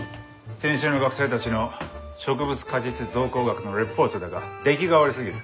先週の学生たちの「植物果実造講学」のｒｅｐｏｒｔだが出来が悪すぎる。